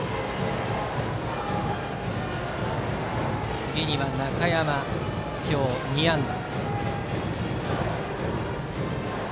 次は中山、今日２安打。